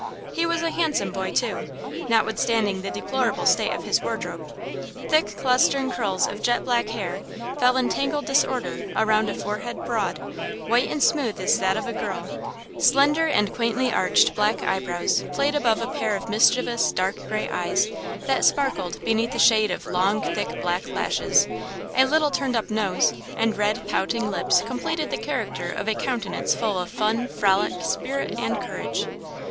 He was a handsome boy, too, notwithstanding the deplorable state of his wardrobe. Thick, clustering curls of jet black hair fell in tangled disorder around a forehead broad, white and smooth as that of a girl; slender and quaintly arched black eyebrows played above a pair of mischievous, dark gray eyes that sparkled beneath the shade of long, thick, black lashes; a little turned up nose, and red, pouting lips completed the character of a countenance full of fun, frolic, spirit and courage.